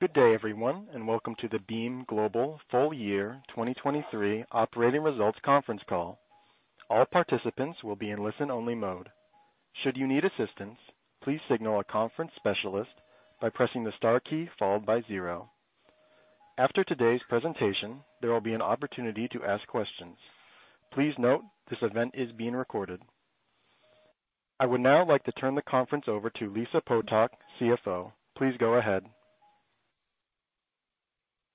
Good day everyone, and welcome to the Beam Global Full Year 2023 Operating Results Conference Call. All participants will be in listen-only mode. Should you need assistance, please signal a conference specialist by pressing the star key followed by zero. After today's presentation, there will be an opportunity to ask questions. Please note this event is being recorded. I would now like to turn the conference over to Lisa Potok, CFO. Please go ahead.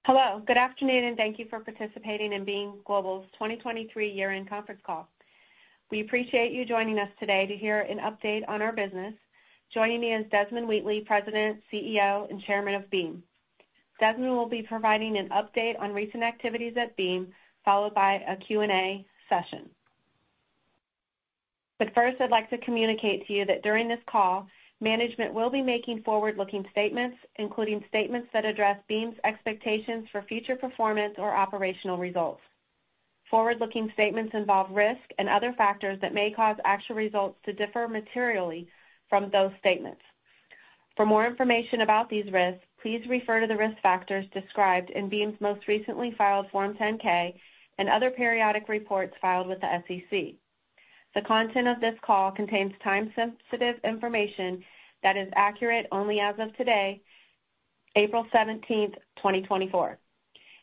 Hello. Good afternoon, and thank you for participating in Beam Global's 2023 year-end conference call. We appreciate you joining us today to hear an update on our business. Joining me is Desmond Wheatley, President, CEO, and Chairman of Beam. Desmond will be providing an update on recent activities at Beam, followed by a Q&A session. But first, I'd like to communicate to you that during this call, management will be making forward-looking statements, including statements that address Beam's expectations for future performance or operational results. Forward-looking statements involve risk and other factors that may cause actual results to differ materially from those statements. For more information about these risks, please refer to the risk factors described in Beam's most recently filed Form 10-K and other periodic reports filed with the SEC. The content of this call contains time-sensitive information that is accurate only as of today, April 17th, 2024.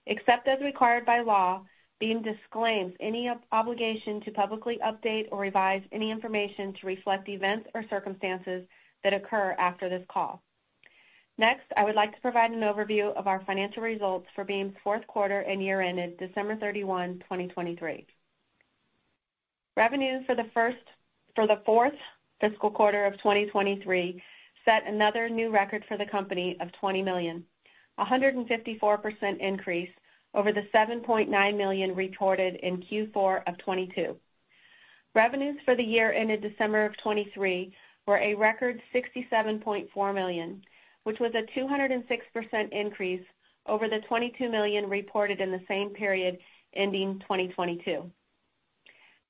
Except as required by law, Beam disclaims any obligation to publicly update or revise any information to reflect events or circumstances that occur after this call. Next, I would like to provide an overview of our financial results for Beam's fourth quarter and year-end at December 31st, 2023. Revenues for the fourth fiscal quarter of 2023 set another new record for the company of $20 million, a 154% increase over the $7.9 million reported in Q4 of 2022. Revenues for the year-end at December of 2023 were a record $67.4 million, which was a 206% increase over the $22 million reported in the same period ending 2022.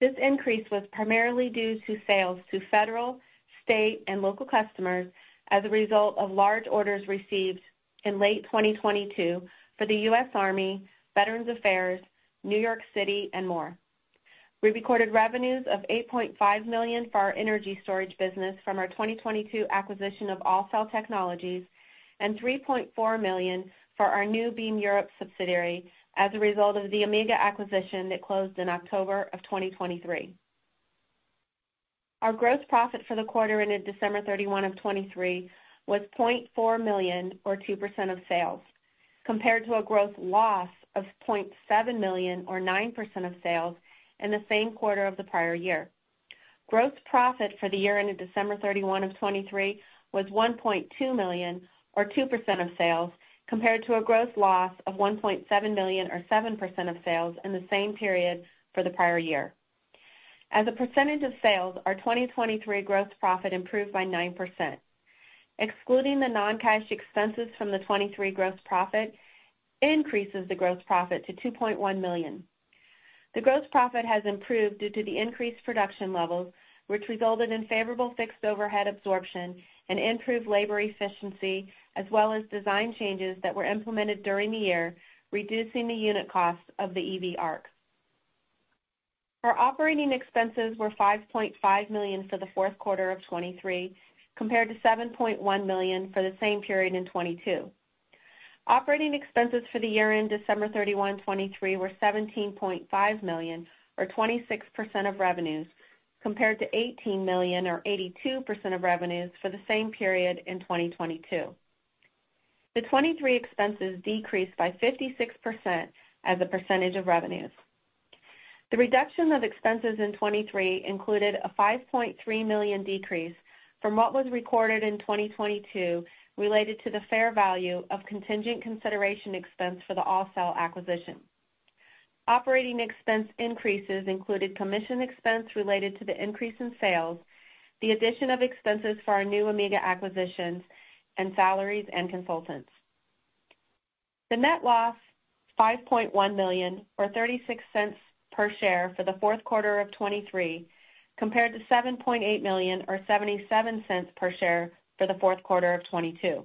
This increase was primarily due to sales to federal, state, and local customers as a result of large orders received in late 2022 for the U.S. Army, Veterans Affairs, New York City, and more. We recorded revenues of $8.5 million for our energy storage business from our 2022 acquisition of AllCell Technologies, and $3.4 million for our new Beam Europe subsidiary as a result of the Amiga acquisition that closed in October of 2023. Our gross profit for the quarter ended December 31st, 2023 was $0.4 million, or 2% of sales, compared to a gross loss of $0.7 million, or 9% of sales, in the same quarter of the prior year. Gross profit for the year-end at December 31, 2023 was $1.2 million, or 2% of sales, compared to a gross loss of $1.7 million, or 7% of sales, in the same period for the prior year. As a percentage of sales, our 2023 gross profit improved by 9%. Excluding the non-cash expenses from the 2023 gross profit increases the gross profit to $2.1 million. The gross profit has improved due to the increased production levels, which resulted in favorable fixed overhead absorption and improved labor efficiency, as well as design changes that were implemented during the year reducing the unit costs of the EV ARC. Our operating expenses were $5.5 million for the fourth quarter of 2023, compared to $7.1 million for the same period in 2022. Operating expenses for the year-end December 31st, 2023 were $17.5 million, or 26% of revenues, compared to $18 million, or 82% of revenues, for the same period in 2022. The 2023 expenses decreased by 56% as a percentage of revenues. The reduction of expenses in 2023 included a $5.3 million decrease from what was recorded in 2022 related to the fair value of contingent consideration expense for the AllCell acquisition. Operating expense increases included commission expense related to the increase in sales, the addition of expenses for our new Amiga acquisitions, and salaries and consultants. The net loss, $5.1 million, or $0.36 per share for the fourth quarter of 2023, compared to $7.8 million, or $0.77 per share for the fourth quarter of 2022.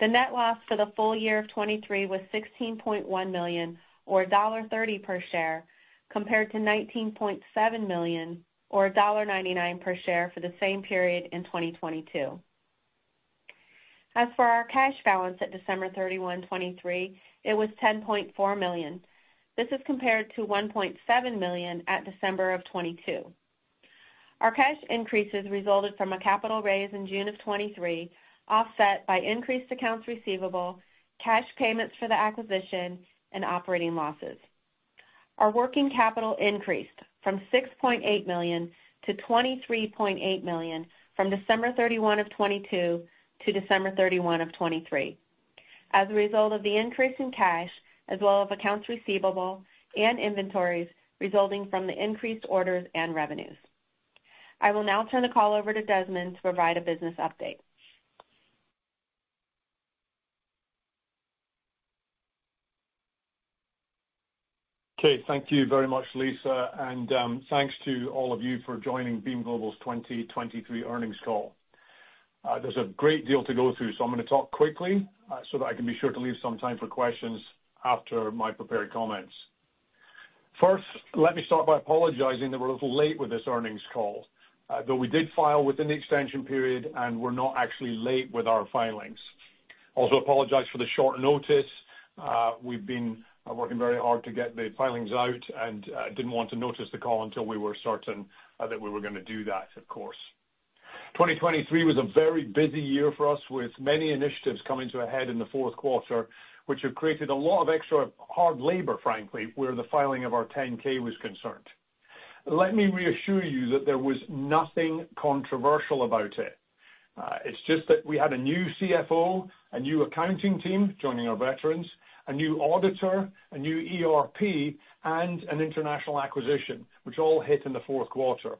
The net loss for the full year of 2023 was $16.1 million, or $1.30 per share, compared to $19.7 million, or $1.99 per share for the same period in 2022. As for our cash balance at December 31st, 2023, it was $10.4 million. This is compared to $1.7 million at December of 2022. Our cash increases resulted from a capital raise in June of 2023 offset by increased accounts receivable, cash payments for the acquisition, and operating losses. Our working capital increased from $6.8 million to $23.8 million from December 31st, 2022 to December 31st, 2023 as a result of the increase in cash, as well as accounts receivable and inventories resulting from the increased orders and revenues. I will now turn the call over to Desmond to provide a business update. Okay. Thank you very much, Lisa. Thanks to all of you for joining Beam Global's 2023 earnings call. There's a great deal to go through, so I'm going to talk quickly so that I can be sure to leave some time for questions after my prepared comments. First, let me start by apologizing that we're a little late with this earnings call, though we did file within the extension period and were not actually late with our filings. Also, apologize for the short notice. We've been working very hard to get the filings out and didn't want to notice the call until we were certain that we were going to do that, of course. 2023 was a very busy year for us, with many initiatives coming to a head in the fourth quarter, which have created a lot of extra hard labor, frankly, where the filing of our 10-K was concerned. Let me reassure you that there was nothing controversial about it. It's just that we had a new CFO, a new accounting team joining our veterans, a new auditor, a new ERP, and an international acquisition, which all hit in the fourth quarter.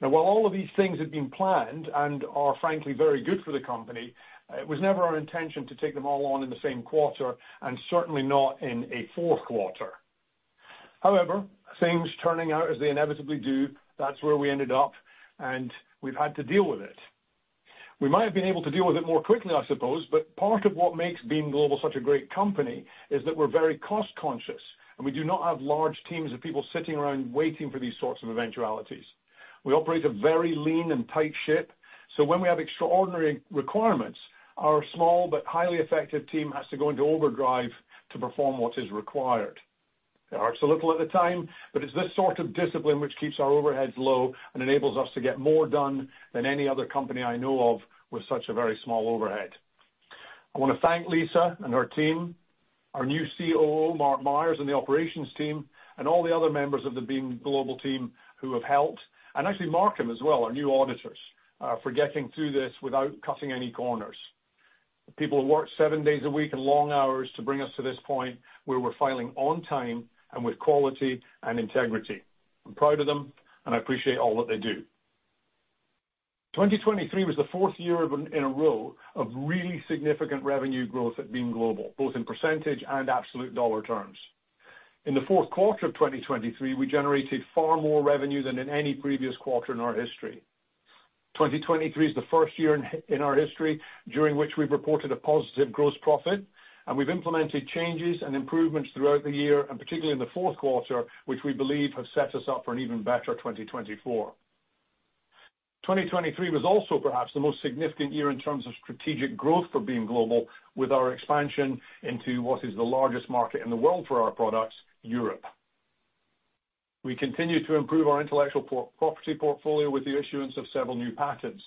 Now, while all of these things had been planned and are, frankly, very good for the company, it was never our intention to take them all on in the same quarter, and certainly not in a fourth quarter. However, things turning out as they inevitably do, that's where we ended up, and we've had to deal with it. We might have been able to deal with it more quickly, I suppose, but part of what makes Beam Global such a great company is that we're very cost-conscious, and we do not have large teams of people sitting around waiting for these sorts of eventualities. We operate a very lean and tight ship, so when we have extraordinary requirements, our small but highly effective team has to go into overdrive to perform what is required. It hurts a little at the time, but it's this sort of discipline which keeps our overheads low and enables us to get more done than any other company I know of with such a very small overhead. I want to thank Lisa and her team, our new COO, Mark Myers, and the operations team, and all the other members of the Beam Global team who have helped, and actually, Marcum as well, our new auditors, for getting through this without cutting any corners. People who worked seven days a week and long hours to bring us to this point where we're filing on time and with quality and integrity. I'm proud of them, and I appreciate all that they do. 2023 was the fourth year in a row of really significant revenue growth at Beam Global, both in percentage and absolute dollar terms. In the fourth quarter of 2023, we generated far more revenue than in any previous quarter in our history. 2023 is the first year in our history during which we've reported a positive gross profit, and we've implemented changes and improvements throughout the year, and particularly in the fourth quarter, which we believe have set us up for an even better 2024. 2023 was also, perhaps, the most significant year in terms of strategic growth for Beam Global, with our expansion into what is the largest market in the world for our products, Europe. We continued to improve our intellectual property portfolio with the issuance of several new patents,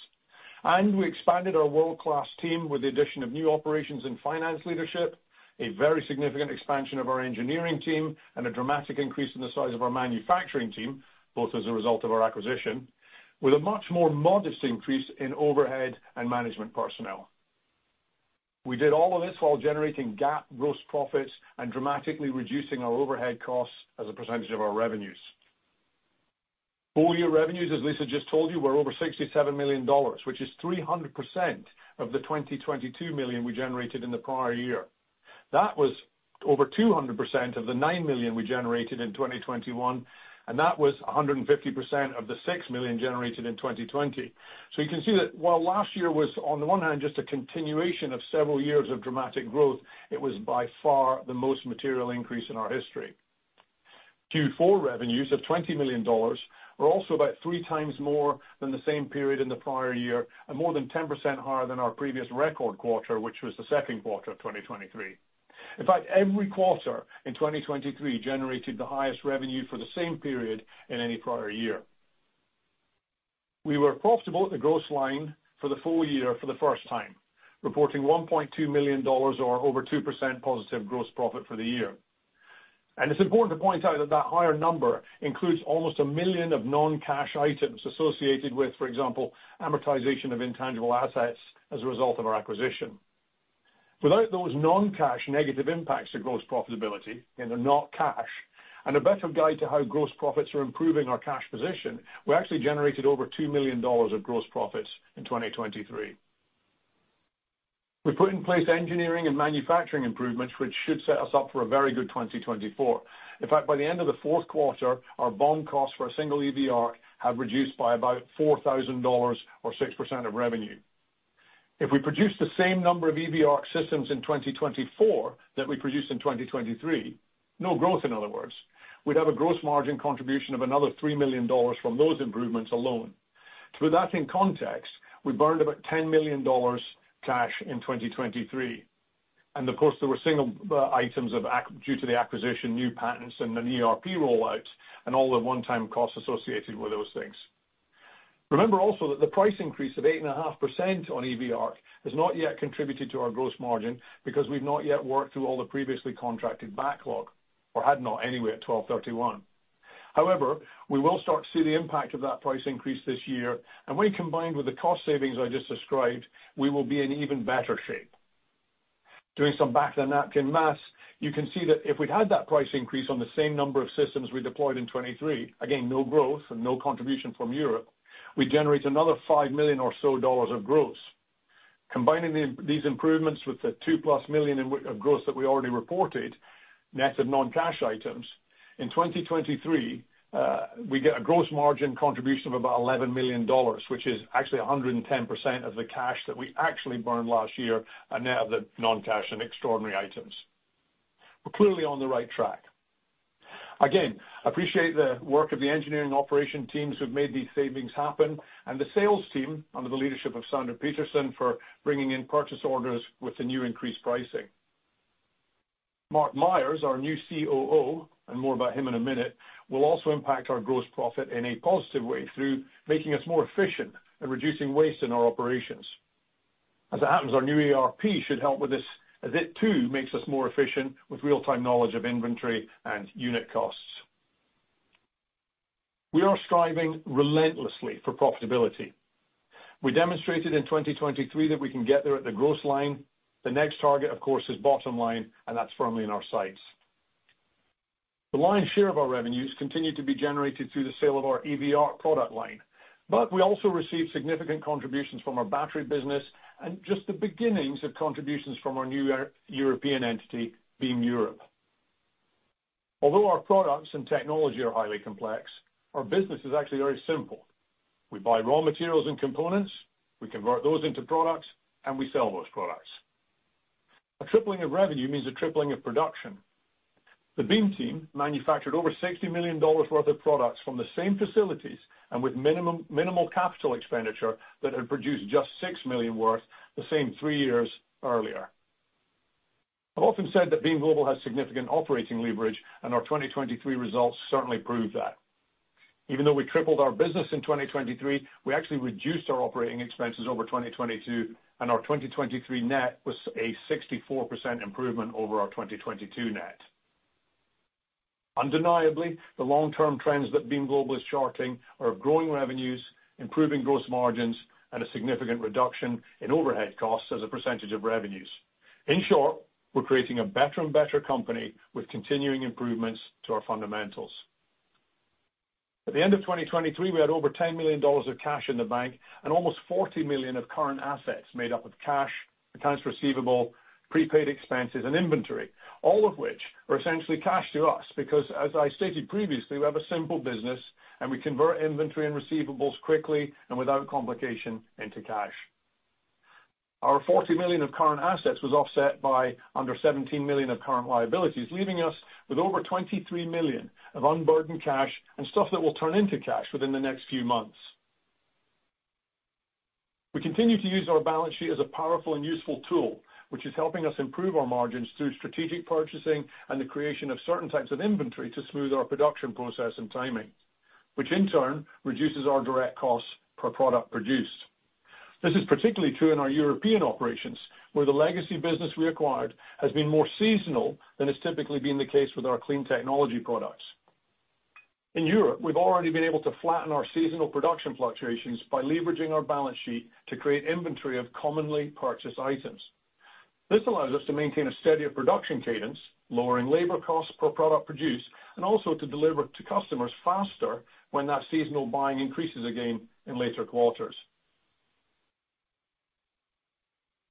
and we expanded our world-class team with the addition of new operations and finance leadership, a very significant expansion of our engineering team, and a dramatic increase in the size of our manufacturing team, both as a result of our acquisition, with a much more modest increase in overhead and management personnel. We did all of this while generating GAAP gross profits and dramatically reducing our overhead costs as a percentage of our revenues. Full year revenues, as Lisa just told you, were over $67 million, which is 300% of the $22 million we generated in the prior year. That was over 200% of the $9 million we generated in 2021, and that was 150% of the $6 million generated in 2020. So you can see that while last year was, on the one hand, just a continuation of several years of dramatic growth, it was by far the most material increase in our history. Q4 revenues of $20 million were also about three times more than the same period in the prior year and more than 10% higher than our previous record quarter, which was the second quarter of 2023. In fact, every quarter in 2023 generated the highest revenue for the same period in any prior year. We were profitable at the gross line for the full year for the first time, reporting $1.2 million, or over 2% positive gross profit, for the year. It's important to point out that that higher number includes almost $1 million of non-cash items associated with, for example, amortization of intangible assets as a result of our acquisition. Without those non-cash negative impacts to gross profitability, and they're not cash, and a better guide to how gross profits are improving our cash position, we actually generated over $2 million of gross profits in 2023. We put in place engineering and manufacturing improvements, which should set us up for a very good 2024. In fact, by the end of the fourth quarter, our build costs for a single EV ARC have reduced by about $4,000, or 6% of revenue. If we produced the same number of EV ARC systems in 2024 that we produced in 2023—no growth, in other words—we'd have a gross margin contribution of another $3 million from those improvements alone. To put that in context, we burned about $10 million cash in 2023. Of course, there were one-time items due to the acquisition, new patents, and an ERP rollout, and all the one-time costs associated with those things. Remember also that the price increase of 8.5% on EV ARC has not yet contributed to our gross margin because we've not yet worked through all the previously contracted backlog, or had not anyway at 12:31. However, we will start to see the impact of that price increase this year, and when combined with the cost savings I just described, we will be in even better shape. Doing some back-of-the-napkin math, you can see that if we'd had that price increase on the same number of systems we deployed in 2023 (again, no growth and no contribution from Europe), we'd generate another $5 million or so of gross. Combining these improvements with the $2+ million of gross that we already reported, net of non-cash items, in 2023, we get a gross margin contribution of about $11 million, which is actually 110% of the cash that we actually burned last year and net of the non-cash and extraordinary items. We're clearly on the right track. Again, I appreciate the work of the engineering operation teams who've made these savings happen, and the sales team under the leadership of Sandra Peterson for bringing in purchase orders with the new increased pricing. Mark Myers, our new COO (and more about him in a minute), will also impact our gross profit in a positive way through making us more efficient and reducing waste in our operations. As it happens, our new ERP should help with this, as it too makes us more efficient with real-time knowledge of inventory and unit costs. We are striving relentlessly for profitability. We demonstrated in 2023 that we can get there at the gross line. The next target, of course, is bottom line, and that's firmly in our sights. The lion's share of our revenues continue to be generated through the sale of our EV ARC product line, but we also receive significant contributions from our battery business and just the beginnings of contributions from our new European entity, Beam Europe. Although our products and technology are highly complex, our business is actually very simple. We buy raw materials and components, we convert those into products, and we sell those products. A tripling of revenue means a tripling of production. The Beam team manufactured over $60 million worth of products from the same facilities and with minimal capital expenditure that had produced just $6 million worth the same three years earlier. I've often said that Beam Global has significant operating leverage, and our 2023 results certainly prove that. Even though we tripled our business in 2023, we actually reduced our operating expenses over 2022, and our 2023 net was a 64% improvement over our 2022 net. Undeniably, the long-term trends that Beam Global is charting are of growing revenues, improving gross margins, and a significant reduction in overhead costs as a percentage of revenues. In short, we're creating a better and better company with continuing improvements to our fundamentals. At the end of 2023, we had over $10 million of cash in the bank and almost $40 million of current assets made up of cash, accounts receivable, prepaid expenses, and inventory, all of which are essentially cash to us because, as I stated previously, we have a simple business, and we convert inventory and receivables quickly and without complication into cash. Our $40 million of current assets was offset by under $17 million of current liabilities, leaving us with over $23 million of unburdened cash and stuff that will turn into cash within the next few months. We continue to use our balance sheet as a powerful and useful tool, which is helping us improve our margins through strategic purchasing and the creation of certain types of inventory to smooth our production process and timing, which in turn reduces our direct costs per product produced. This is particularly true in our European operations, where the legacy business we acquired has been more seasonal than has typically been the case with our clean technology products. In Europe, we've already been able to flatten our seasonal production fluctuations by leveraging our balance sheet to create inventory of commonly purchased items. This allows us to maintain a steadier production cadence, lowering labor costs per product produced, and also to deliver to customers faster when that seasonal buying increases again in later quarters.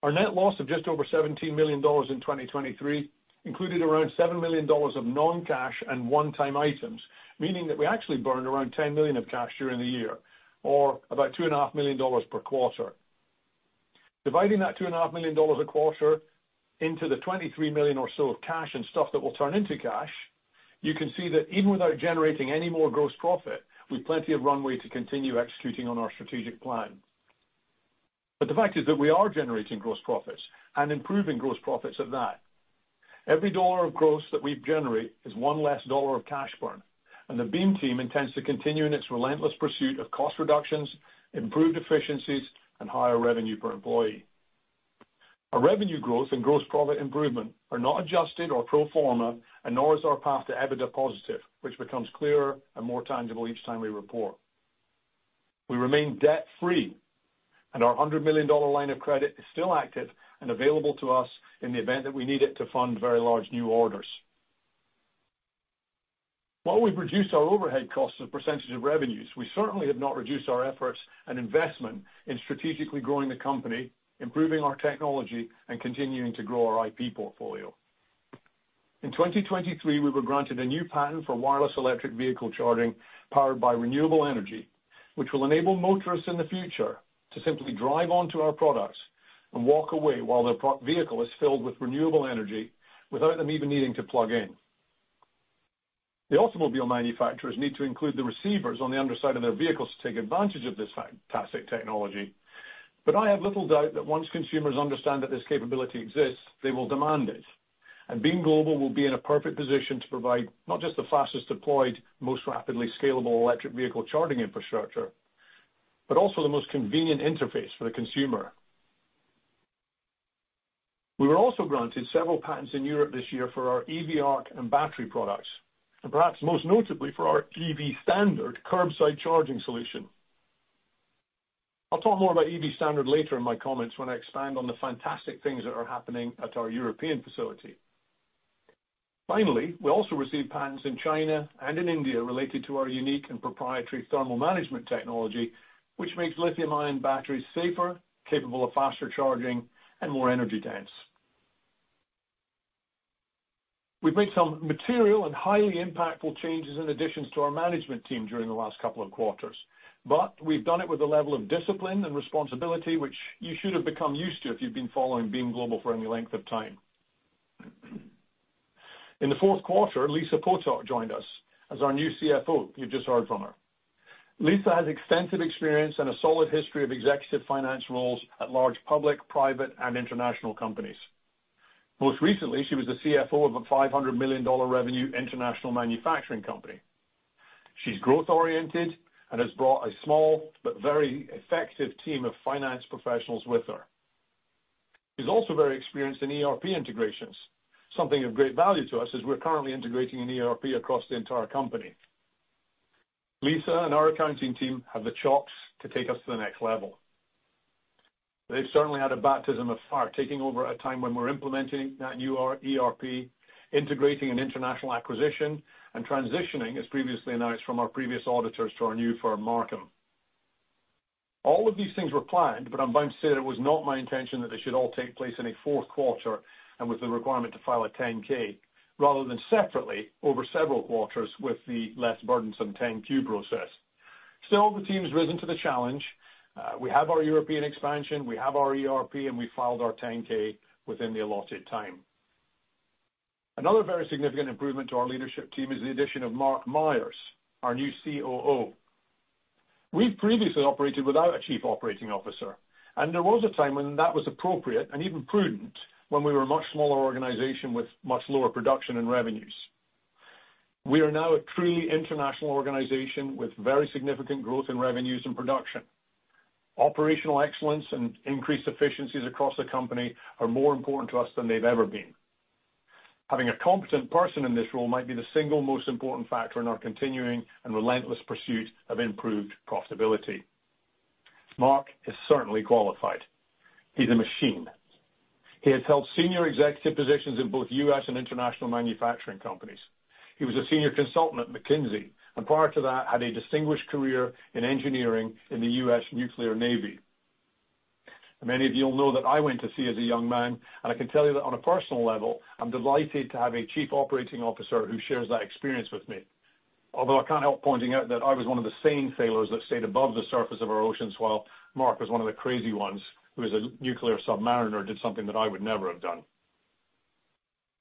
Our net loss of just over $17 million in 2023 included around $7 million of non-cash and one-time items, meaning that we actually burned around $10 million of cash during the year, or about $2.5 million per quarter. Dividing that $2.5 million a quarter into the $23 million or so of cash and stuff that will turn into cash, you can see that even without generating any more gross profit, we've plenty of runway to continue executing on our strategic plan. But the fact is that we are generating gross profits and improving gross profits at that. Every dollar of gross that we generate is one less dollar of cash burn, and the Beam team intends to continue in its relentless pursuit of cost reductions, improved efficiencies, and higher revenue per employee. Our revenue growth and gross profit improvement are not adjusted or pro forma, and nor is our path to EBITDA positive, which becomes clearer and more tangible each time we report. We remain debt-free, and our $100 million line of credit is still active and available to us in the event that we need it to fund very large new orders. While we've reduced our overhead costs as a percentage of revenues, we certainly have not reduced our efforts and investment in strategically growing the company, improving our technology, and continuing to grow our IP portfolio. In 2023, we were granted a new patent for wireless electric vehicle charging powered by renewable energy, which will enable motorists in the future to simply drive onto our products and walk away while their vehicle is filled with renewable energy without them even needing to plug in. The automobile manufacturers need to include the receivers on the underside of their vehicles to take advantage of this fantastic technology. But I have little doubt that once consumers understand that this capability exists, they will demand it, and Beam Global will be in a perfect position to provide not just the fastest deployed, most rapidly scalable electric vehicle charging infrastructure, but also the most convenient interface for the consumer. We were also granted several patents in Europe this year for our EV ARC and battery products, and perhaps most notably for our EV Standard curbside charging solution. I'll talk more about EV Standard later in my comments when I expand on the fantastic things that are happening at our European facility. Finally, we also received patents in China and in India related to our unique and proprietary thermal management technology, which makes lithium-ion batteries safer, capable of faster charging, and more energy-dense. We've made some material and highly impactful changes and additions to our management team during the last couple of quarters, but we've done it with a level of discipline and responsibility which you should have become used to if you've been following Beam Global for any length of time. In the fourth quarter, Lisa Potok joined us as our new CFO. You've just heard from her. Lisa has extensive experience and a solid history of executive finance roles at large public, private, and international companies. Most recently, she was the CFO of a $500 million revenue international manufacturing company. She's growth-oriented and has brought a small but very effective team of finance professionals with her. She's also very experienced in ERP integrations, something of great value to us as we're currently integrating an ERP across the entire company. Lisa and our accounting team have the chops to take us to the next level. They've certainly had a baptism of fire taking over at a time when we're implementing that new ERP, integrating an international acquisition, and transitioning, as previously announced, from our previous auditors to our new firm, Marcum. All of these things were planned, but I'm bound to say that it was not my intention that they should all take place in a fourth quarter and with the requirement to file a 10-K, rather than separately over several quarters with the less burdensome 10-Q process. Still, the team's risen to the challenge. We have our European expansion, we have our ERP, and we filed our 10-K within the allotted time. Another very significant improvement to our leadership team is the addition of Mark Myers, our new COO. We've previously operated without a chief operating officer, and there was a time when that was appropriate and even prudent when we were a much smaller organization with much lower production and revenues. We are now a truly international organization with very significant growth in revenues and production. Operational excellence and increased efficiencies across the company are more important to us than they've ever been. Having a competent person in this role might be the single most important factor in our continuing and relentless pursuit of improved profitability. Mark is certainly qualified. He's a machine. He has held senior executive positions in both U.S. and international manufacturing companies. He was a senior consultant at McKinsey and, prior to that, had a distinguished career in engineering in the U.S. Nuclear Navy. Many of you'll know that I went to sea as a young man, and I can tell you that on a personal level, I'm delighted to have a Chief Operating Officer who shares that experience with me, although I can't help pointing out that I was one of the sane sailors that stayed above the surface of our oceans while Mark was one of the crazy ones who, as a nuclear submariner, did something that I would never have done.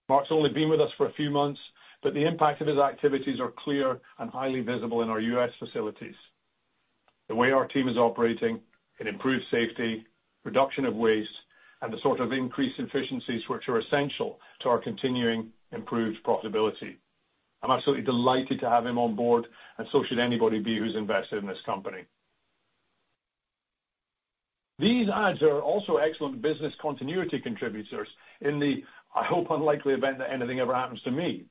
Mark's only been with us for a few months, but the impact of his activities is clear and highly visible in our U.S. facilities. The way our team is operating improves safety, reduction of waste, and the sort of increased efficiencies which are essential to our continuing improved profitability. I'm absolutely delighted to have him on board, and so should anybody be who's invested in this company. These ads are also excellent business continuity contributors in the, I hope, unlikely event that anything ever happens to me.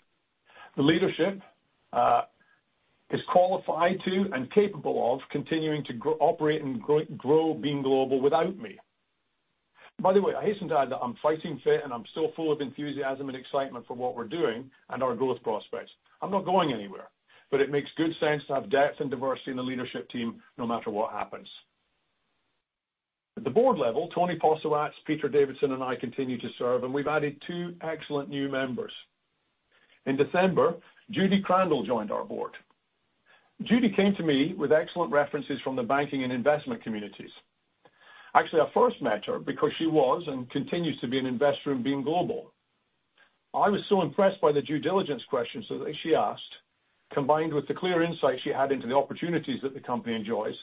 The leadership is qualified to and capable of continuing to operate and grow Beam Global without me. By the way, I hasten to add that I'm fighting fit, and I'm still full of enthusiasm and excitement for what we're doing and our growth prospects. I'm not going anywhere, but it makes good sense to have depth and diversity in the leadership team no matter what happens. At the board level, Tony Posawatz, Peter Davidson, and I continue to serve, and we've added two excellent new members. In December, Judy Krandel joined our board. Judy came to me with excellent references from the banking and investment communities. Actually, I first met her because she was and continues to be an investor in Beam Global. I was so impressed by the due diligence questions that she asked, combined with the clear insight she had into the opportunities that the company enjoys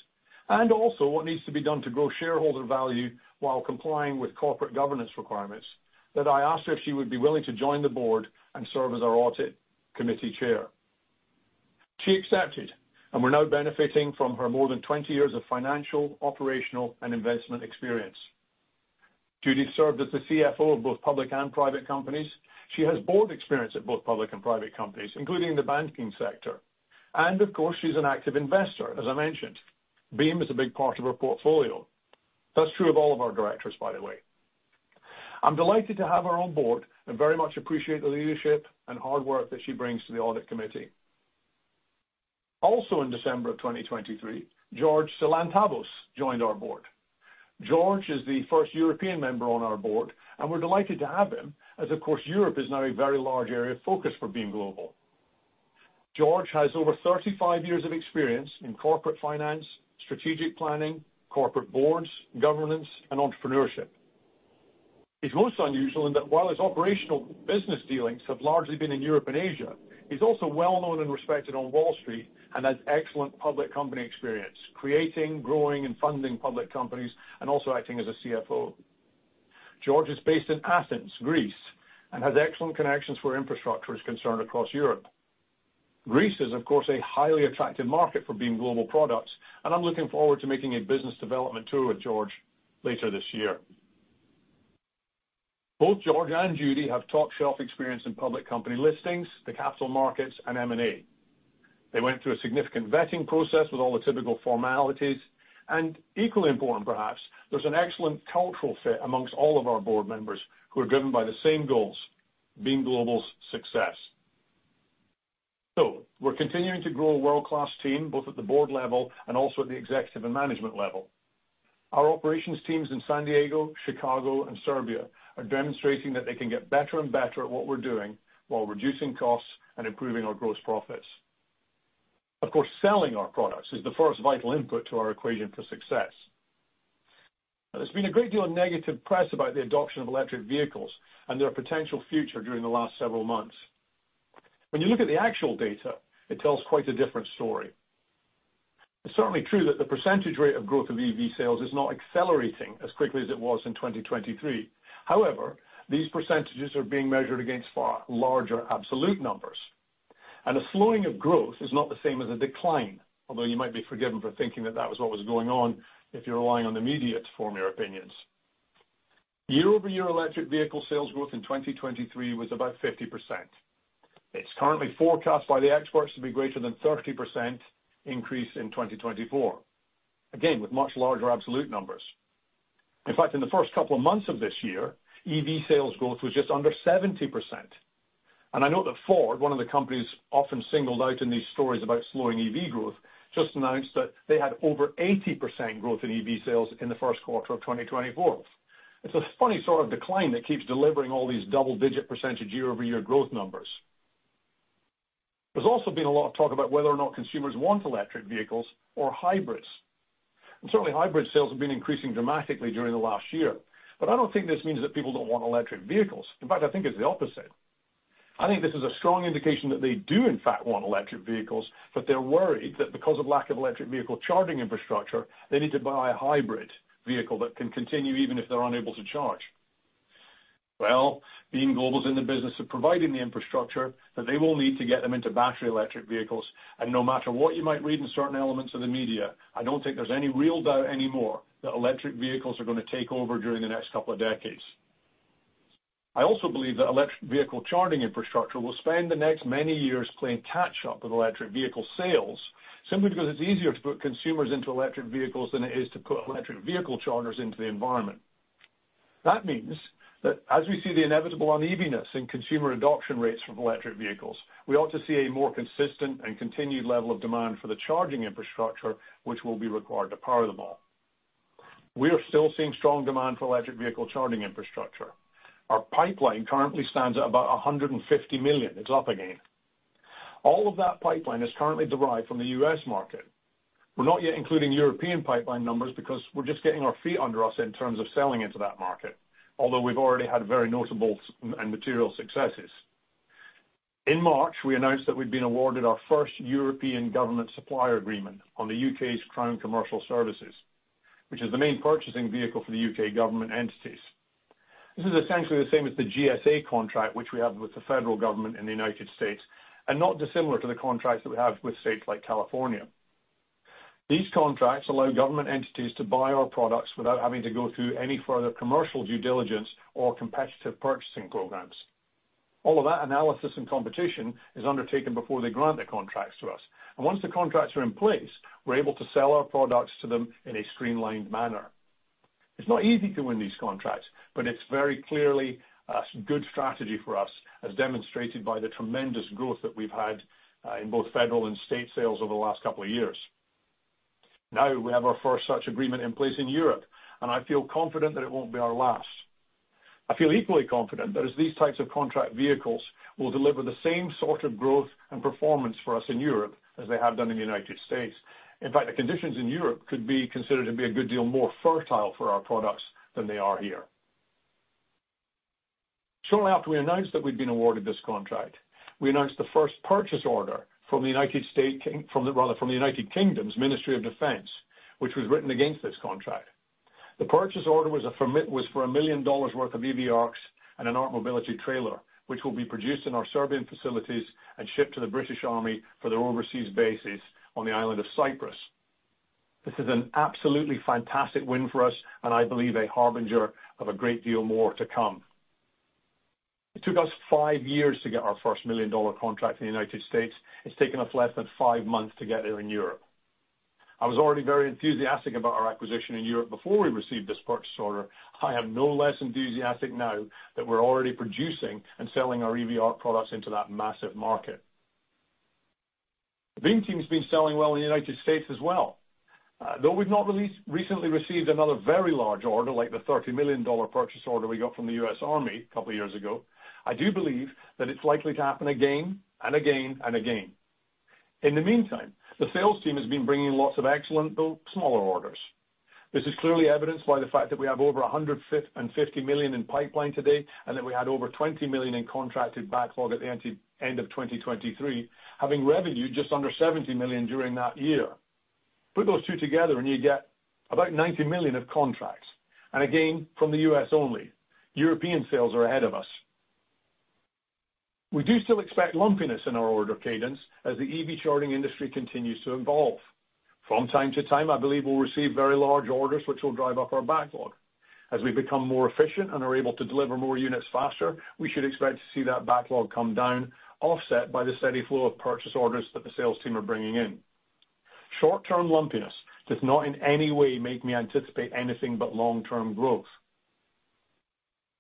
and also what needs to be done to grow shareholder value while complying with corporate governance requirements, that I asked her if she would be willing to join the board and serve as our audit committee chair. She accepted, and we're now benefiting from her more than 20 years of financial, operational, and investment experience. Judy's served as the CFO of both public and private companies. She has board experience at both public and private companies, including the banking sector. And, of course, she's an active investor, as I mentioned. Beam is a big part of her portfolio. That's true of all of our directors, by the way. I'm delighted to have her on board and very much appreciate the leadership and hard work that she brings to the audit committee. Also, in December of 2023, George Syllantavos joined our board. George is the first European member on our board, and we're delighted to have him as, of course, Europe is now a very large area of focus for Beam Global. George has over 35 years of experience in corporate finance, strategic planning, corporate boards, governance, and entrepreneurship. He's most unusual in that while his operational business dealings have largely been in Europe and Asia, he's also well-known and respected on Wall Street and has excellent public company experience creating, growing, and funding public companies, and also acting as a CFO. George is based in Athens, Greece, and has excellent connections for infrastructure as concerns across Europe. Greece is, of course, a highly attractive market for Beam Global products, and I'm looking forward to making a business development tour with George later this year. Both George and Judy have top-shelf experience in public company listings, the capital markets, and M&A. They went through a significant vetting process with all the typical formalities. Equally important, perhaps, there's an excellent cultural fit amongst all of our board members who are driven by the same goals: Beam Global's success. We're continuing to grow a world-class team both at the board level and also at the executive and management level. Our operations teams in San Diego, Chicago, and Serbia are demonstrating that they can get better and better at what we're doing while reducing costs and improving our gross profits. Of course, selling our products is the first vital input to our equation for success. There's been a great deal of negative press about the adoption of electric vehicles and their potential future during the last several months. When you look at the actual data, it tells quite a different story. It's certainly true that the percentage rate of growth of EV sales is not accelerating as quickly as it was in 2023. However, these percentages are being measured against far larger absolute numbers. A slowing of growth is not the same as a decline, although you might be forgiven for thinking that that was what was going on if you're relying on the media to form your opinions. Year-over-year, electric vehicle sales growth in 2023 was about 50%. It's currently forecast by the experts to be greater than 30% increase in 2024, again with much larger absolute numbers. In fact, in the first couple of months of this year, EV sales growth was just under 70%. I note that Ford, one of the companies often singled out in these stories about slowing EV growth, just announced that they had over 80% growth in EV sales in the first quarter of 2024. It's a funny sort of decline that keeps delivering all these double-digit percentage year-over-year growth numbers. There's also been a lot of talk about whether or not consumers want electric vehicles or hybrids. Certainly, hybrid sales have been increasing dramatically during the last year, but I don't think this means that people don't want electric vehicles. In fact, I think it's the opposite. I think this is a strong indication that they do, in fact, want electric vehicles, but they're worried that because of lack of electric vehicle charging infrastructure, they need to buy a hybrid vehicle that can continue even if they're unable to charge. Well, Beam Global's in the business of providing the infrastructure that they will need to get them into battery electric vehicles. No matter what you might read in certain elements of the media, I don't think there's any real doubt anymore that electric vehicles are going to take over during the next couple of decades. I also believe that electric vehicle charging infrastructure will spend the next many years playing catch-up with electric vehicle sales simply because it's easier to put consumers into electric vehicles than it is to put electric vehicle chargers into the environment. That means that as we see the inevitable unevenness in consumer adoption rates for electric vehicles, we ought to see a more consistent and continued level of demand for the charging infrastructure which will be required to power them all. We are still seeing strong demand for electric vehicle charging infrastructure. Our pipeline currently stands at about $150 million. It's up again. All of that pipeline is currently derived from the U.S. market. We're not yet including European pipeline numbers because we're just getting our feet under us in terms of selling into that market, although we've already had very notable and material successes. In March, we announced that we'd been awarded our first European government supplier agreement on the U.K.'s Crown Commercial Service, which is the main purchasing vehicle for the U.K. government entities. This is essentially the same as the GSA contract which we have with the federal government in the United States and not dissimilar to the contracts that we have with states like California. These contracts allow government entities to buy our products without having to go through any further commercial due diligence or competitive purchasing programs. All of that analysis and competition is undertaken before they grant the contracts to us. Once the contracts are in place, we're able to sell our products to them in a streamlined manner. It's not easy to win these contracts, but it's very clearly a good strategy for us, as demonstrated by the tremendous growth that we've had in both federal and state sales over the last couple of years. Now, we have our first such agreement in place in Europe, and I feel confident that it won't be our last. I feel equally confident that as these types of contract vehicles will deliver the same sort of growth and performance for us in Europe as they have done in the United States. In fact, the conditions in Europe could be considered to be a good deal more fertile for our products than they are here. Shortly after we announced that we'd been awarded this contract, we announced the first purchase order from the United States rather, from the United Kingdom's Ministry of Defence, which was written against this contract. The purchase order was for $1 million worth of EV ARCs and an ARC Mobility Trailer which will be produced in our Serbian facilities and shipped to the British Army for their overseas bases on the island of Cyprus. This is an absolutely fantastic win for us and, I believe, a harbinger of a great deal more to come. It took us five years to get our first $1 million contract in the United States. It's taken us less than five months to get there in Europe. I was already very enthusiastic about our acquisition in Europe before we received this purchase order. I am no less enthusiastic now that we're already producing and selling our EV ARC products into that massive market. The Beam team's been selling well in the United States as well. Though we've not recently received another very large order like the $30 million purchase order we got from the U.S. Army a couple of years ago, I do believe that it's likely to happen again and again and again. In the meantime, the sales team has been bringing lots of excellent, though smaller orders. This is clearly evidenced by the fact that we have over $150 million in pipeline today and that we had over $20 million in contracted backlog at the end of 2023, having revenue just under $70 million during that year. Put those two together, and you get about $90 million of contracts. Again, from the U.S. only, European sales are ahead of us. We do still expect lumpiness in our order cadence as the EV charging industry continues to evolve. From time to time, I believe we'll receive very large orders which will drive up our backlog. As we become more efficient and are able to deliver more units faster, we should expect to see that backlog come down, offset by the steady flow of purchase orders that the sales team are bringing in. Short-term lumpiness does not in any way make me anticipate anything but long-term growth.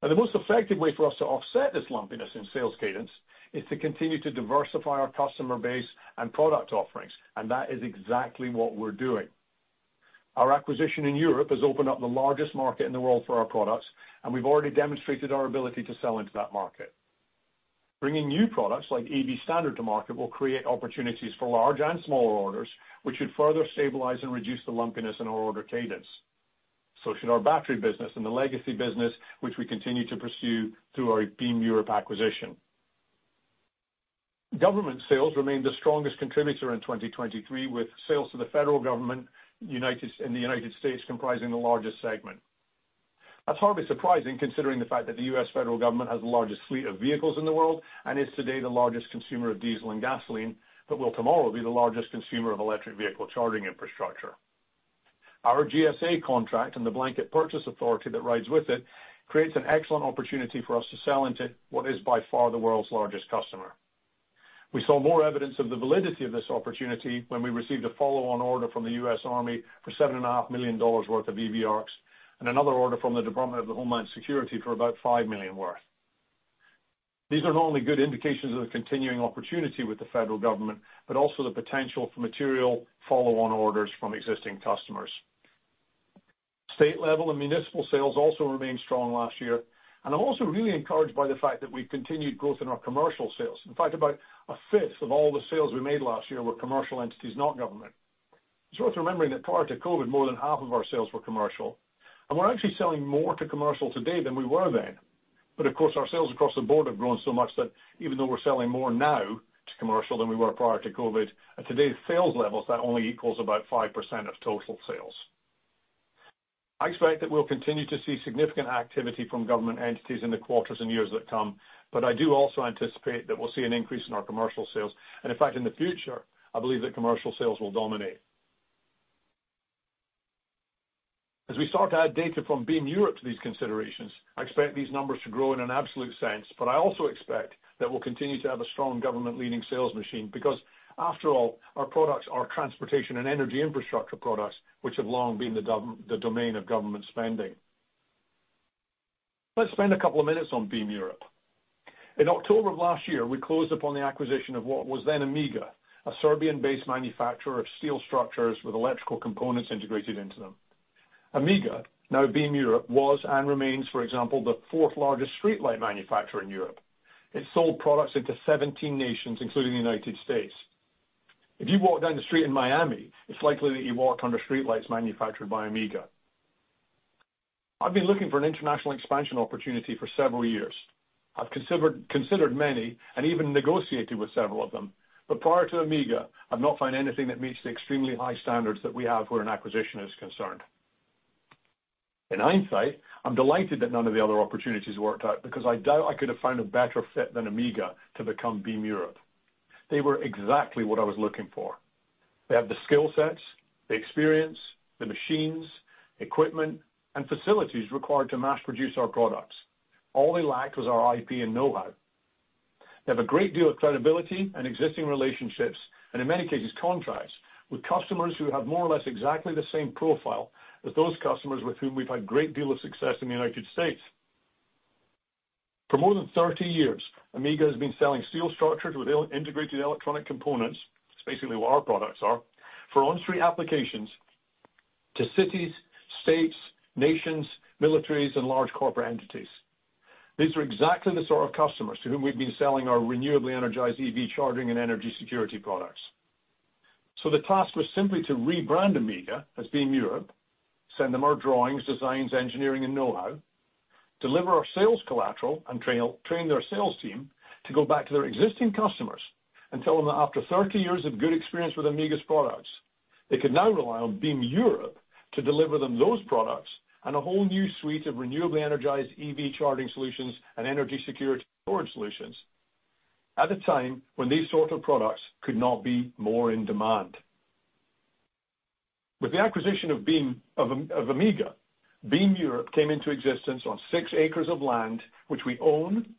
The most effective way for us to offset this lumpiness in sales cadence is to continue to diversify our customer base and product offerings. That is exactly what we're doing. Our acquisition in Europe has opened up the largest market in the world for our products, and we've already demonstrated our ability to sell into that market. Bringing new products like EV Standard to market will create opportunities for large and smaller orders which should further stabilize and reduce the lumpiness in our order cadence. So should our battery business and the legacy business which we continue to pursue through our Beam Europe acquisition. Government sales remain the strongest contributor in 2023, with sales to the federal government in the United States comprising the largest segment. That's hardly surprising considering the fact that the U.S. federal government has the largest fleet of vehicles in the world and is today the largest consumer of diesel and gasoline, but will tomorrow be the largest consumer of electric vehicle charging infrastructure. Our GSA contract and the blanket purchase authority that rides with it creates an excellent opportunity for us to sell into what is by far the world's largest customer. We saw more evidence of the validity of this opportunity when we received a follow-on order from the U.S. Army for $7.5 million worth of EV ARCs and another order from the U.S. Department of Homeland Security for about $5 million worth. These are not only good indications of the continuing opportunity with the federal government but also the potential for material follow-on orders from existing customers. State-level and municipal sales also remained strong last year. I'm also really encouraged by the fact that we've continued growth in our commercial sales. In fact, about a fifth of all the sales we made last year were commercial entities, not government. It's worth remembering that prior to COVID, more than half of our sales were commercial. We're actually selling more to commercial today than we were then. Of course, our sales across the board have grown so much that even though we're selling more now to commercial than we were prior to COVID, at today's sales levels, that only equals about 5% of total sales. I expect that we'll continue to see significant activity from government entities in the quarters and years that come. I do also anticipate that we'll see an increase in our commercial sales. In fact, in the future, I believe that commercial sales will dominate. As we start to add data from Beam Europe to these considerations, I expect these numbers to grow in an absolute sense. But I also expect that we'll continue to have a strong government-leading sales machine because, after all, our products are transportation and energy infrastructure products which have long been the domain of government spending. Let's spend a couple of minutes on Beam Europe. In October of last year, we closed upon the acquisition of what was then Amiga, a Serbian-based manufacturer of steel structures with electrical components integrated into them. Amiga, now Beam Europe, was and remains, for example, the fourth-largest streetlight manufacturer in Europe. It sold products into 17 nations, including the United States. If you walk down the street in Miami, it's likely that you walked under streetlights manufactured by Amiga. I've been looking for an international expansion opportunity for several years. I've considered many and even negotiated with several of them. But prior to Amiga, I've not found anything that meets the extremely high standards that we have where an acquisition is concerned. In hindsight, I'm delighted that none of the other opportunities worked out because I doubt I could have found a better fit than Amiga to become Beam Europe. They were exactly what I was looking for. They have the skill sets, the experience, the machines, equipment, and facilities required to mass-produce our products. All they lacked was our IP and know-how. They have a great deal of credibility and existing relationships and, in many cases, contracts with customers who have more or less exactly the same profile as those customers with whom we've had a great deal of success in the United States. For more than 30 years, Amiga has been selling steel structures with integrated electronic components—it's basically what our products are—for on-street applications to cities, states, nations, militaries, and large corporate entities. These are exactly the sort of customers to whom we've been selling our renewably energized EV charging and energy security products. So the task was simply to rebrand Amiga as Beam Europe, send them our drawings, designs, engineering, and know-how, deliver our sales collateral, and train their sales team to go back to their existing customers and tell them that after 30 years of good experience with Amiga's products, they could now rely on Beam Europe to deliver them those products and a whole new suite of renewably energized EV charging solutions and energy security storage solutions at a time when these sort of products could not be more in demand. With the acquisition of Amiga, Beam Europe came into existence on 6 acres of land which we own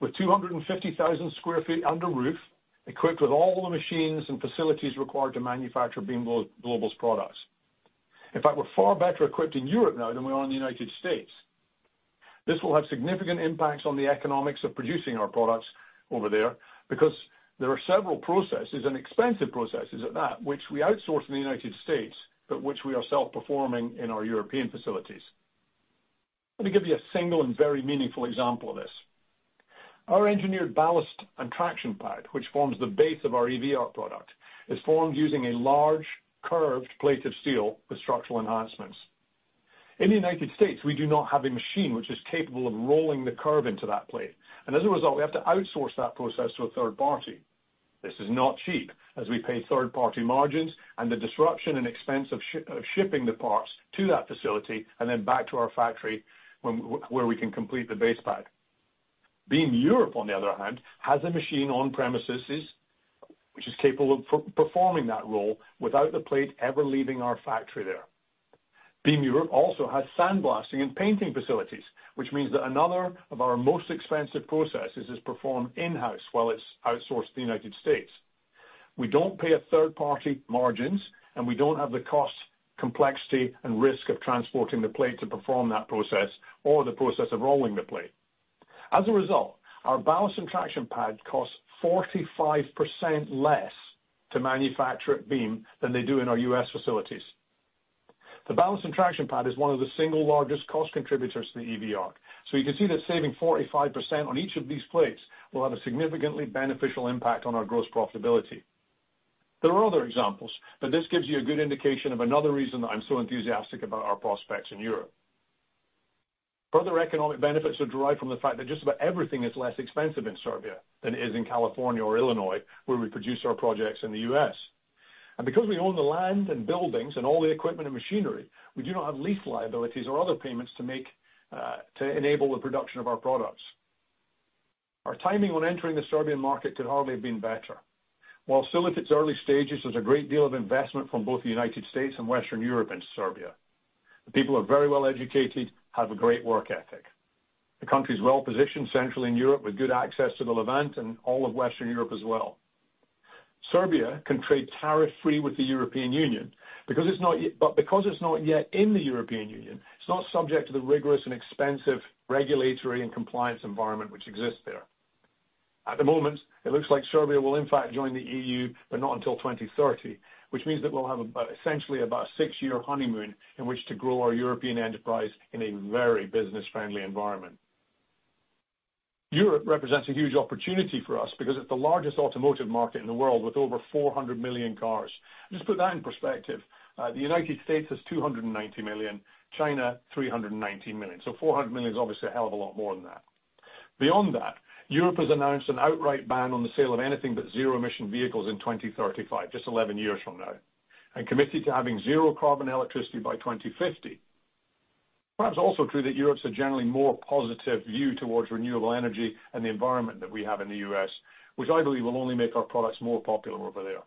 with 250,000 sq ft under roof equipped with all the machines and facilities required to manufacture Beam Global's products. In fact, we're far better equipped in Europe now than we are in the United States. This will have significant impacts on the economics of producing our products over there because there are several processes - and expensive processes at that - which we outsource in the United States but which we are self-performing in our European facilities. Let me give you a single and very meaningful example of this. Our engineered ballast and traction pad, which forms the base of our EV ARC product, is formed using a large, curved plate of steel with structural enhancements. In the United States, we do not have a machine which is capable of rolling the curve into that plate. And as a result, we have to outsource that process to a third party. This is not cheap as we pay third-party margins and the disruption and expense of shipping the parts to that facility and then back to our factory where we can complete the base pad. Beam Europe, on the other hand, has a machine on premises which is capable of performing that role without the plate ever leaving our factory there. Beam Europe also has sandblasting and painting facilities, which means that another of our most expensive processes is performed in-house while it's outsourced to the United States. We don't pay a third-party margins, and we don't have the cost, complexity, and risk of transporting the plate to perform that process or the process of rolling the plate. As a result, our ballast and traction pad costs 45% less to manufacture at Beam than they do in our U.S. facilities. The ballast and traction pad is one of the single largest cost contributors to the EV ARC. So you can see that saving 45% on each of these plates will have a significantly beneficial impact on our gross profitability. There are other examples, but this gives you a good indication of another reason that I'm so enthusiastic about our prospects in Europe. Further economic benefits are derived from the fact that just about everything is less expensive in Serbia than it is in California or Illinois where we produce our projects in the U.S. Because we own the land and buildings and all the equipment and machinery, we do not have lease liabilities or other payments to enable the production of our products. Our timing on entering the Serbian market could hardly have been better. While still at its early stages, there's a great deal of investment from both the United States and Western Europe into Serbia. The people are very well educated, have a great work ethic. The country's well-positioned centrally in Europe with good access to the Levant and all of Western Europe as well. Serbia can trade tariff-free with the European Union because it's not yet but because it's not yet in the European Union, it's not subject to the rigorous and expensive regulatory and compliance environment which exists there. At the moment, it looks like Serbia will, in fact, join the EU but not until 2030, which means that we'll have essentially about a six-year honeymoon in which to grow our European enterprise in a very business-friendly environment. Europe represents a huge opportunity for us because it's the largest automotive market in the world with over 400 million cars. Just put that in perspective. The United States has 290 million, China 390 million. So 400 million is obviously a hell of a lot more than that. Beyond that, Europe has announced an outright ban on the sale of anything but zero-emission vehicles in 2035, just 11 years from now, and committed to having zero carbon electricity by 2050. Perhaps also true that Europe's a generally more positive view towards renewable energy and the environment that we have in the U.S., which I believe will only make our products more popular over there.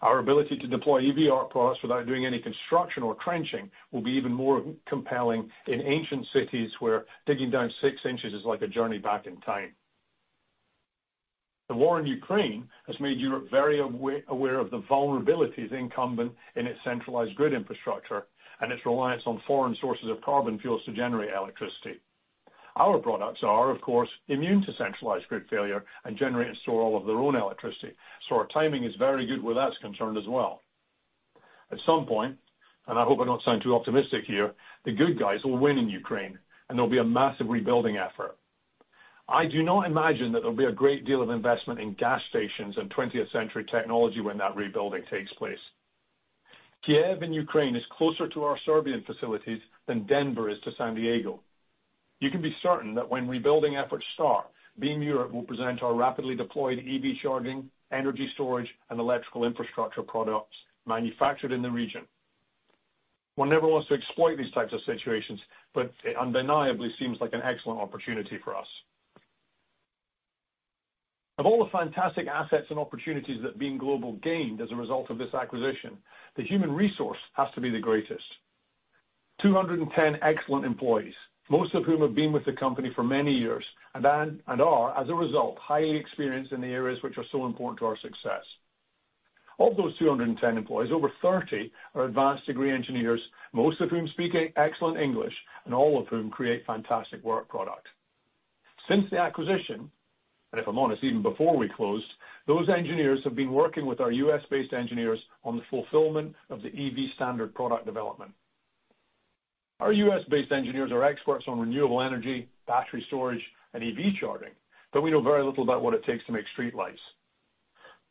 Our ability to deploy EV ARC products without doing any construction or trenching will be even more compelling in ancient cities where digging down six inches is like a journey back in time. The war in Ukraine has made Europe very aware of the vulnerabilities inherent in its centralized grid infrastructure and its reliance on foreign sources of carbon fuels to generate electricity. Our products are, of course, immune to centralized grid failure and generate and store all of their own electricity. So our timing is very good where that's concerned as well. At some point (and I hope I don't sound too optimistic here) the good guys will win in Ukraine, and there'll be a massive rebuilding effort. I do not imagine that there'll be a great deal of investment in gas stations and 20th-century technology when that rebuilding takes place. Kyiv in Ukraine is closer to our Serbian facilities than Denver is to San Diego. You can be certain that when rebuilding efforts start, Beam Europe will present our rapidly deployed EV charging, energy storage, and electrical infrastructure products manufactured in the region. One never wants to exploit these types of situations, but it undeniably seems like an excellent opportunity for us. Of all the fantastic assets and opportunities that Beam Global gained as a result of this acquisition, the human resource has to be the greatest. 210 excellent employees, most of whom have been with the company for many years and are, as a result, highly experienced in the areas which are so important to our success. Of those 210 employees, over 30 are advanced degree engineers, most of whom speak excellent English and all of whom create fantastic work product. Since the acquisition - and if I'm honest, even before we closed - those engineers have been working with our U.S.-based engineers on the fulfillment of the EV Standard product development. Our U.S.-based engineers are experts on renewable energy, battery storage, and EV charging, but we know very little about what it takes to make streetlights.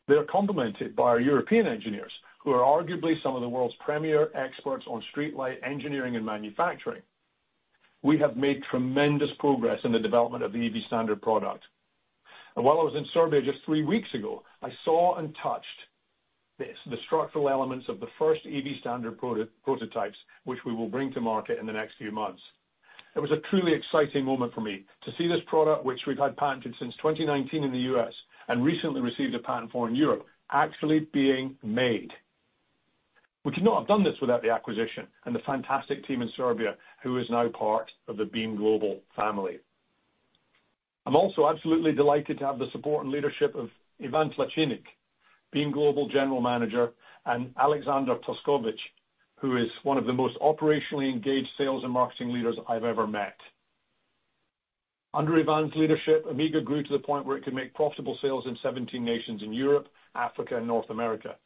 They are complemented by our European engineers who are arguably some of the world's premier experts on streetlight engineering and manufacturing. We have made tremendous progress in the development of the EV Standard product. While I was in Serbia just three weeks ago, I saw and touched the structural elements of the first EV Standard prototypes which we will bring to market in the next few months. It was a truly exciting moment for me to see this product, which we've had patented since 2019 in the U.S. and recently received a patent for in Europe, actually being made. We could not have done this without the acquisition and the fantastic team in Serbia who is now part of the Beam Global family. I'm also absolutely delighted to have the support and leadership of Ivan Tlačinac, Beam Global General Manager, and Aleksandar Toskovic, who is one of the most operationally engaged sales and marketing leaders I've ever met. Under Ivan's leadership, Amiga grew to the point where it could make profitable sales in 17 nations in Europe, Africa, and North America.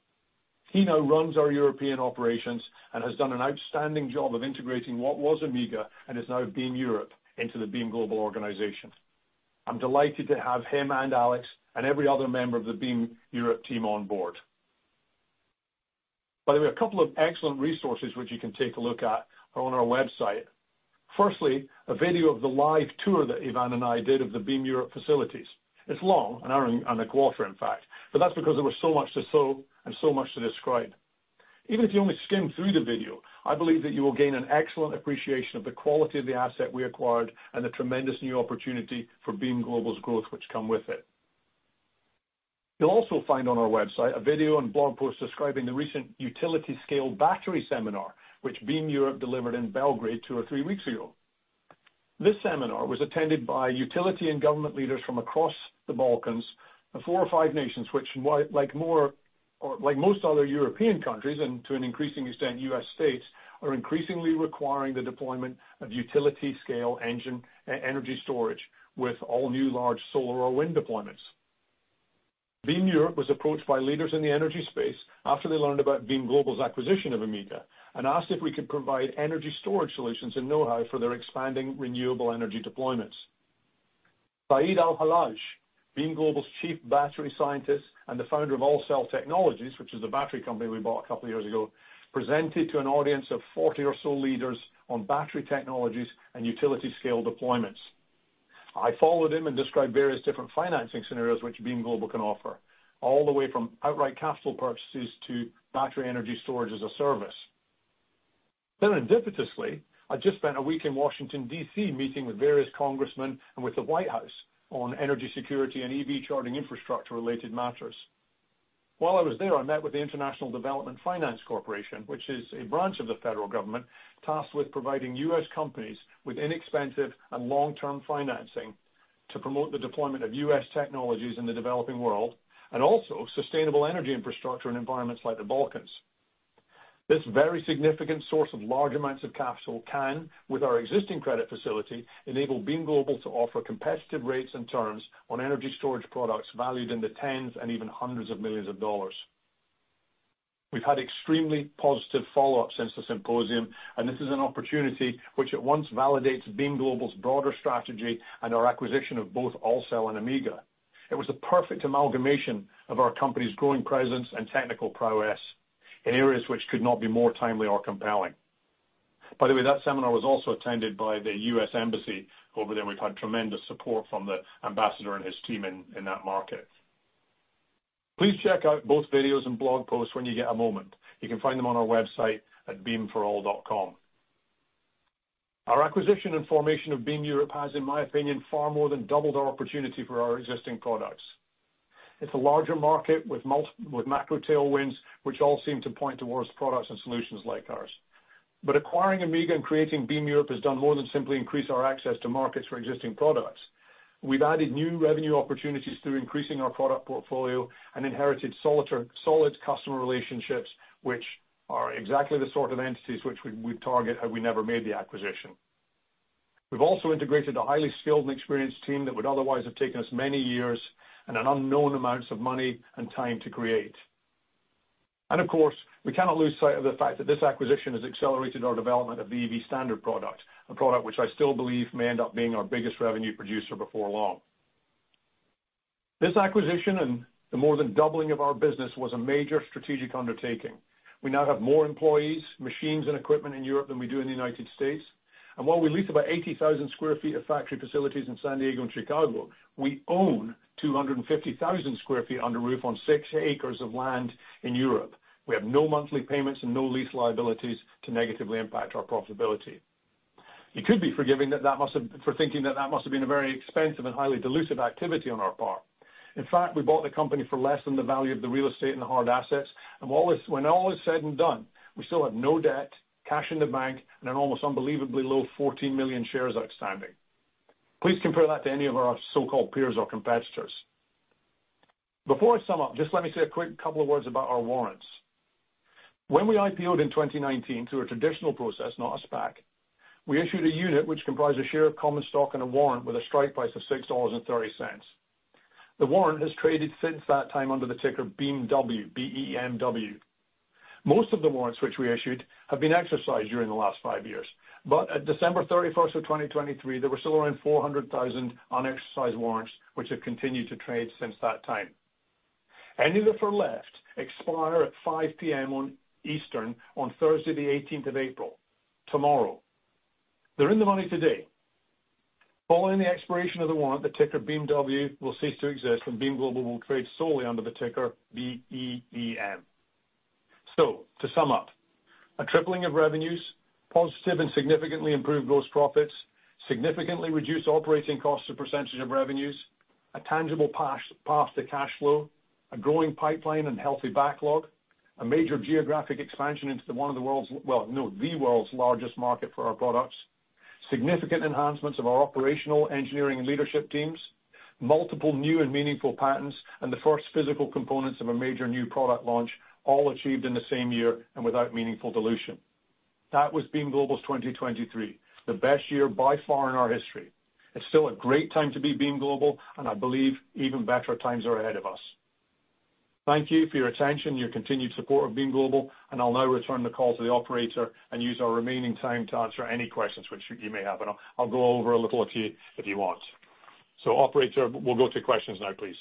He now runs our European operations and has done an outstanding job of integrating what was Amiga and is now Beam Europe into the Beam Global organization. I'm delighted to have him and Alex and every other member of the Beam Europe team on board. By the way, a couple of excellent resources which you can take a look at are on our website. Firstly, a video of the live tour that Ivan and I did of the Beam Europe facilities. It's an hour and a quarter, in fact. But that's because there was so much to show and so much to describe. Even if you only skim through the video, I believe that you will gain an excellent appreciation of the quality of the asset we acquired and the tremendous new opportunity for Beam Global's growth which come with it. You'll also find on our website a video and blog post describing the recent utility-scale battery seminar which Beam Europe delivered in Belgrade two or three weeks ago. This seminar was attended by utility and government leaders from across the Balkans and four or five nations which, like most other European countries and to an increasing extent U.S. states, are increasingly requiring the deployment of utility-scale energy storage with all-new large solar or wind deployments. Beam Europe was approached by leaders in the energy space after they learned about Beam Global's acquisition of Amiga and asked if we could provide energy storage solutions and know-how for their expanding renewable energy deployments. Saeed Al-Hallaj, Beam Global's chief battery scientist and the founder of AllCell Technologies, which is the battery company we bought a couple of years ago, presented to an audience of 40 or so leaders on battery technologies and utility-scale deployments. I followed him and described various different financing scenarios which Beam Global can offer, all the way from outright capital purchases to battery energy storage as a service. Then, incidentally, I just spent a week in Washington, D.C., meeting with various congressmen and with the White House on energy security and EV charging infrastructure-related matters. While I was there, I met with the U.S. International Development Finance Corporation, which is a branch of the federal government tasked with providing U.S. companies with inexpensive and long-term financing to promote the deployment of U.S. technologies in the developing world and also sustainable energy infrastructure in environments like the Balkans. This very significant source of large amounts of capital can, with our existing credit facility, enable Beam Global to offer competitive rates and terms on energy storage products valued in the tens and even hundreds of millions of dollars. We've had extremely positive follow-up since the symposium, and this is an opportunity which at once validates Beam Global's broader strategy and our acquisition of both AllCell and Amiga. It was the perfect amalgamation of our company's growing presence and technical prowess in areas which could not be more timely or compelling. By the way, that seminar was also attended by the U.S. Embassy over there. We've had tremendous support from the ambassador and his team in that market. Please check out both videos and blog posts when you get a moment. You can find them on our website at beamforall.com. Our acquisition and formation of Beam Europe has, in my opinion, far more than doubled our opportunity for our existing products. It's a larger market with macro tailwinds which all seem to point towards products and solutions like ours. But acquiring Amiga and creating Beam Europe has done more than simply increase our access to markets for existing products. We've added new revenue opportunities through increasing our product portfolio and inherited solid customer relationships which are exactly the sort of entities which we'd target had we never made the acquisition. We've also integrated a highly skilled and experienced team that would otherwise have taken us many years and unknown amounts of money and time to create. Of course, we cannot lose sight of the fact that this acquisition has accelerated our development of the EV Standard product, a product which I still believe may end up being our biggest revenue producer before long. This acquisition and the more than doubling of our business was a major strategic undertaking. We now have more employees, machines, and equipment in Europe than we do in the United States. And while we lease about 80,000 sq ft of factory facilities in San Diego and Chicago, we own 250,000 sq ft under roof on six acres of land in Europe. We have no monthly payments and no lease liabilities to negatively impact our profitability. You could be forgiven for thinking that that must have been a very expensive and highly dilutive activity on our part. In fact, we bought the company for less than the value of the real estate and the hard assets. When all is said and done, we still have no debt, cash in the bank, and an almost unbelievably low 14 million shares outstanding. Please compare that to any of our so-called peers or competitors. Before I sum up, just let me say a quick couple of words about our warrants. When we IPO'd in 2019 through a traditional process, not a SPAC, we issued a unit which comprised a share of common stock and a warrant with a strike price of $6.30. The warrant has traded since that time under the ticker BEMW. Most of the warrants which we issued have been exercised during the last five years. But at December 31st, 2023, there were still around 400,000 unexercised warrants which have continued to trade since that time. Any that are left expire at 5:00 P.M. Eastern on Thursday, the 18th of April, tomorrow. They're in the money today. Following the expiration of the warrant, the ticker BEMW will cease to exist, and Beam Global will trade solely under the ticker BEEM. So, to sum up, a tripling of revenues, positive and significantly improved gross profits, significantly reduced operating costs to percentage of revenues, a tangible path to cash flow, a growing pipeline and healthy backlog, a major geographic expansion into one of the world's well, no, the world's largest market for our products, significant enhancements of our operational, engineering, and leadership teams, multiple new and meaningful patents, and the first physical components of a major new product launch, all achieved in the same year and without meaningful dilution. That was Beam Global's 2023, the best year by far in our history. It's still a great time to be Beam Global, and I believe even better times are ahead of us. Thank you for your attention, your continued support of Beam Global. I'll now return the call to the operator and use our remaining time to answer any questions which you may have. I'll go over a little if you want. Operator, we'll go to questions now, please.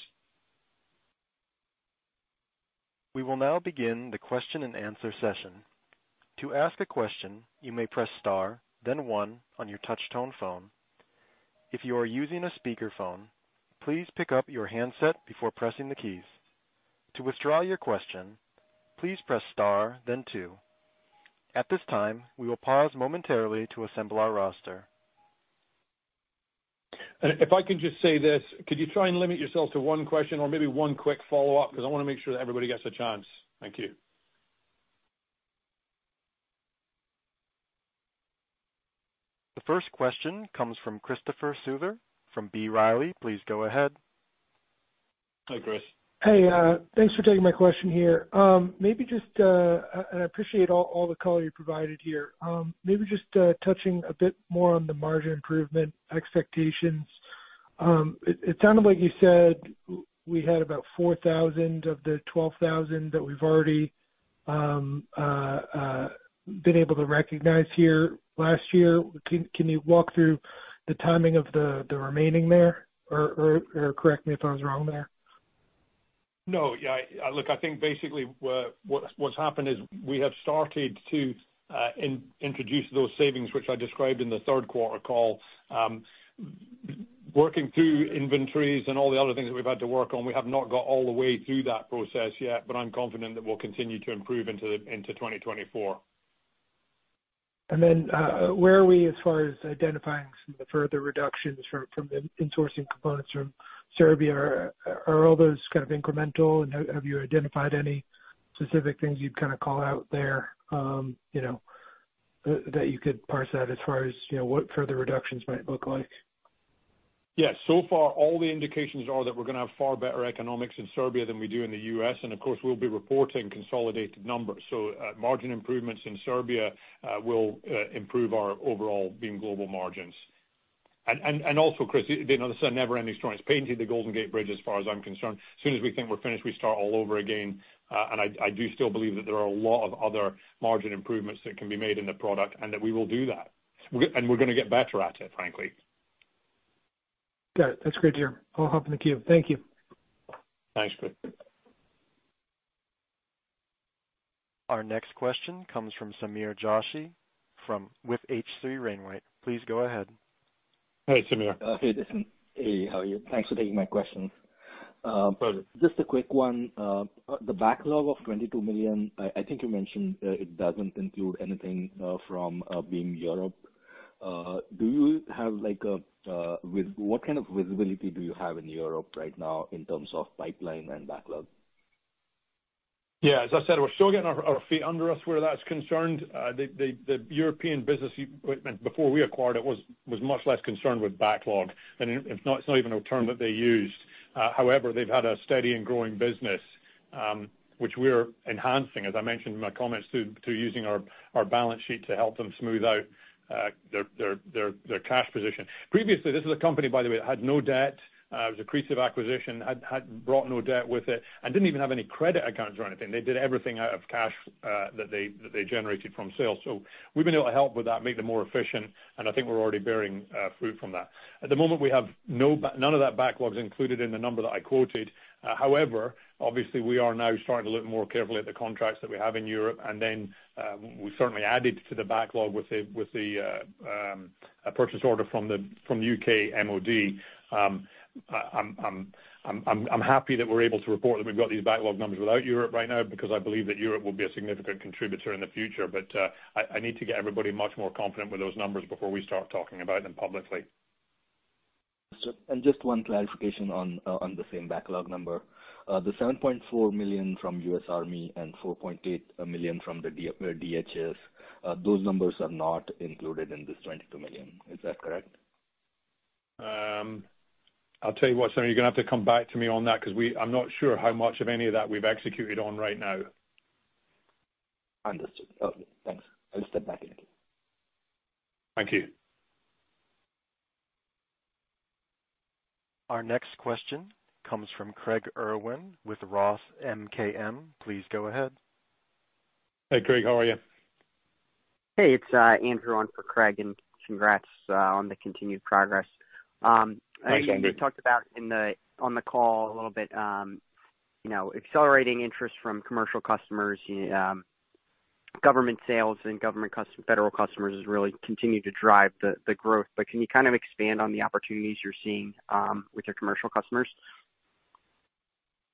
We will now begin the question-and-answer session. To ask a question, you may press star, then one, on your touch-tone phone. If you are using a speakerphone, please pick up your handset before pressing the keys. To withdraw your question, please press star, then two. At this time, we will pause momentarily to assemble our roster. If I can just say this, could you try and limit yourself to one question or maybe one quick follow-up? Because I want to make sure that everybody gets a chance. Thank you. The first question comes from Christopher Souther from B. Riley. Please go ahead. Hi, Chris. Hey. Thanks for taking my question here. And I appreciate all the color you provided here. Maybe just touching a bit more on the margin improvement expectations. It sounded like you said we had about 4,000 of the 12,000 that we've already been able to recognize here last year. Can you walk through the timing of the remaining there? Or correct me if I was wrong there. No. Yeah. Look, I think basically what's happened is we have started to introduce those savings which I described in the third quarter call. Working through inventories and all the other things that we've had to work on, we have not got all the way through that process yet. But I'm confident that we'll continue to improve into 2024. And then where are we as far as identifying some of the further reductions from the insourcing components from Serbia? Are all those kind of incremental? And have you identified any specific things you'd kind of call out there that you could parse out as far as what further reductions might look like? Yeah. So far, all the indications are that we're going to have far better economics in Serbia than we do in the U.S. And, of course, we'll be reporting consolidated numbers. So margin improvements in Serbia will improve our overall Beam Global margins. And also, Chris, there's never-ending story. It's painted the Golden Gate Bridge as far as I'm concerned. As soon as we think we're finished, we start all over again. And I do still believe that there are a lot of other margin improvements that can be made in the product and that we will do that. And we're going to get better at it, frankly. Got it. That's great to hear. I'll hop in the queue. Thank you. Thanks, Chris. Our next question comes from Sameer Joshi from H.C. Wainwright & Co. Please go ahead. Hey, Sameer. Hey, Desmond. Hey, how are you? Thanks for taking my questions. Just a quick one. The backlog of $22 million, I think you mentioned it doesn't include anything from Beam Europe. Do you have what kind of visibility do you have in Europe right now in terms of pipeline and backlog? Yeah. As I said, we're still getting our feet under us where that's concerned. The European business before we acquired it was much less concerned with backlog. And it's not even a term that they used. However, they've had a steady and growing business which we're enhancing, as I mentioned in my comments, to using our balance sheet to help them smooth out their cash position. Previously, this is a company, by the way, that had no debt. It was a creative acquisition, had brought no debt with it, and didn't even have any credit accounts or anything. They did everything out of cash that they generated from sales. So we've been able to help with that, make them more efficient. And I think we're already bearing fruit from that. At the moment, we have none of that backlog is included in the number that I quoted. However, obviously, we are now starting to look more carefully at the contracts that we have in Europe. And then we certainly added to the backlog with the purchase order from the U.K. MOD. I'm happy that we're able to report that we've got these backlog numbers without Europe right now because I believe that Europe will be a significant contributor in the future. But I need to get everybody much more confident with those numbers before we start talking about them publicly. And just one clarification on the same backlog number. The $7.4 million from U.S. Army and $4.8 million from the DHS, those numbers are not included in this $22 million. Is that correct? I'll tell you what, Sameer. You're going to have to come back to me on that because I'm not sure how much of any of that we've executed on right now. Understood. Okay. Thanks. I'll step back in. Thank you. Our next question comes from Craig Irwin with Roth MKM. Please go ahead. Hey, Craig. How are you? Hey. It's Andrew on for Craig. Congrats on the continued progress. We talked about on the call a little bit accelerating interest from commercial customers. Government sales and federal customers have really continued to drive the growth. But can you kind of expand on the opportunities you're seeing with your commercial customers?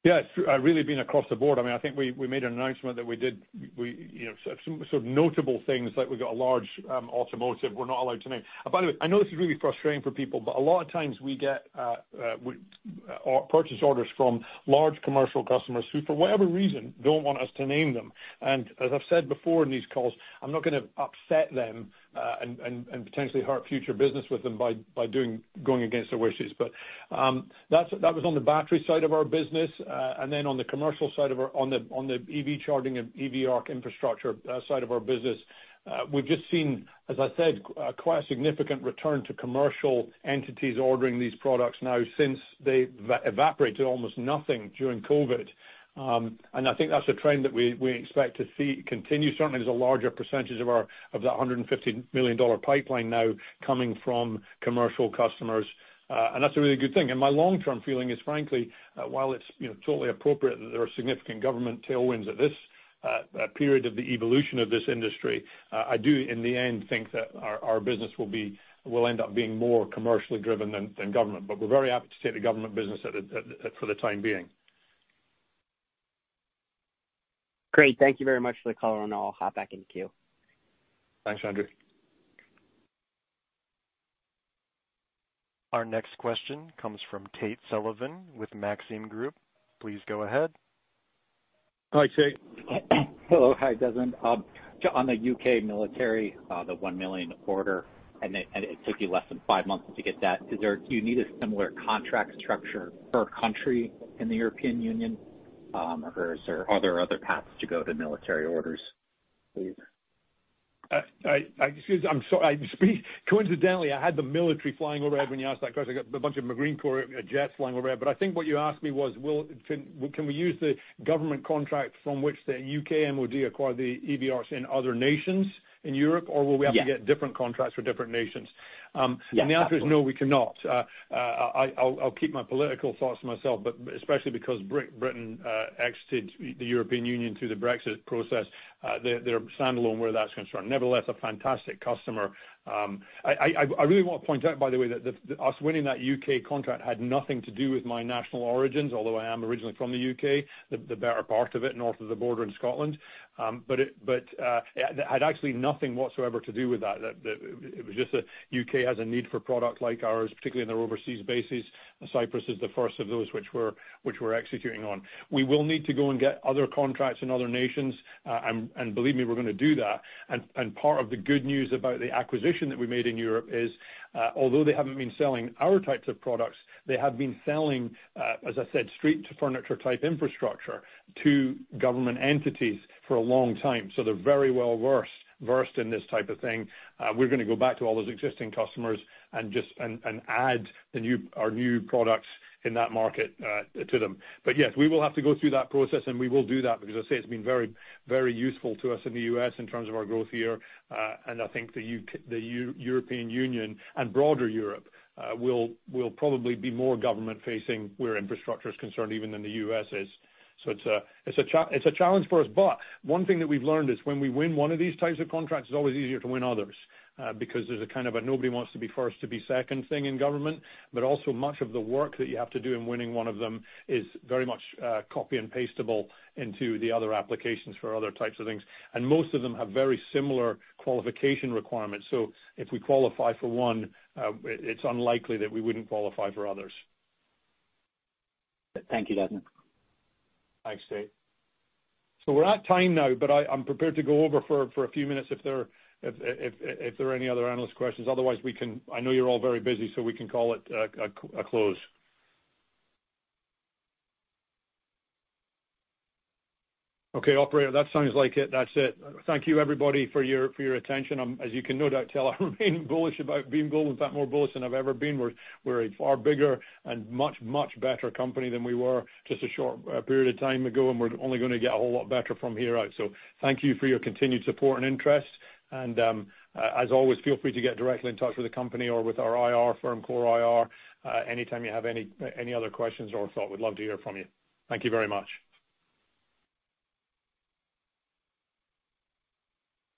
Yeah. It's really been across the board. I mean, I think we made an announcement that we did some notable things like we got a large automotive we're not allowed to name. By the way, I know this is really frustrating for people. But a lot of times, we get purchase orders from large commercial customers who, for whatever reason, don't want us to name them. As I've said before in these calls, I'm not going to upset them and potentially hurt future business with them by going against their wishes. That was on the battery side of our business. Then on the commercial side of our on the EV charging and EV ARC infrastructure side of our business, we've just seen, as I said, quite a significant return to commercial entities ordering these products now since they evaporated almost nothing during COVID. And I think that's a trend that we expect to see continue. Certainly, there's a larger percentage of that $150 million pipeline now coming from commercial customers. And that's a really good thing. My long-term feeling is, frankly, while it's totally appropriate that there are significant government tailwinds at this period of the evolution of this industry, I do, in the end, think that our business will end up being more commercially driven than government. But we're very happy to take the government business for the time being. Great. Thank you very much for the call. And I'll hop back in the queue. Thanks, Andrew. Our next question comes from Tate Sullivan with Maxim Group. Please go ahead. Hi, Tate. Hello. Hi, Desmond. On the U.K. military. The $1 million order. And it took you less than five months to get that. Do you need a similar contract structure per country in the European Union? Or are there other paths to go to military orders, please? I'm sorry. Coincidentally, I had the military flying overhead when you asked that question. I got a bunch of Marine Corps jets flying overhead. But I think what you asked me was, can we use the government contract from which the U.K. MOD acquired the EV ARCs in other nations in Europe? Or will we have to get different contracts for different nations? And the answer is no, we cannot. I'll keep my political thoughts to myself. But especially because Britain exited the European Union through the Brexit process, they're standalone where that's concerned. Nevertheless, a fantastic customer. I really want to point out, by the way, that our winning that U.K. contract had nothing to do with my national origins, although I am originally from the U.K., the better part of it, north of the border in Scotland. But it had actually nothing whatsoever to do with that. It was just the U.K. has a need for products like ours, particularly in their overseas bases. Cyprus is the first of those which we're executing on. We will need to go and get other contracts in other nations. And believe me, we're going to do that. And part of the good news about the acquisition that we made in Europe is, although they haven't been selling our types of products, they have been selling, as I said, street to-furniture-type infrastructure to government entities for a long time. So they're very well versed in this type of thing. We're going to go back to all those existing customers and add our new products in that market to them. But yes, we will have to go through that process. And we will do that because, as I say, it's been very, very useful to us in the U.S. in terms of our growth year. And I think the European Union and broader Europe will probably be more government-facing where infrastructure is concerned even than the U.S. is. So it's a challenge for us. But one thing that we've learned is, when we win one of these types of contracts, it's always easier to win others because there's a kind of a nobody wants to be first, to be second thing in government. But also, much of the work that you have to do in winning one of them is very much copy and pasteable into the other applications for other types of things. And most of them have very similar qualification requirements. So if we qualify for one, it's unlikely that we wouldn't qualify for others. Thank you, Desmond. Thanks, Tate. So we're at time now. But I'm prepared to go over for a few minutes if there are any other analyst questions. Otherwise, I know you're all very busy. So we can call it a close. Okay, operator, that sounds like it. That's it. Thank you, everybody, for your attention. As you can no doubt tell, I remain bullish about Beam Global, in fact, more bullish than I've ever been. We're a far bigger and much, much better company than we were just a short period of time ago. And we're only going to get a whole lot better from here out. So thank you for your continued support and interest. And as always, feel free to get directly in touch with the company or with our IR firm, Core IR, anytime you have any other questions or thought. We'd love to hear from you. Thank you very much.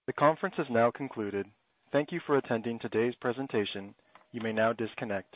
The conference has now concluded. Thank you for attending today's presentation. You may now disconnect.